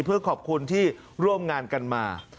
เพื่อขอบคุณที่ร่วมงานกันมา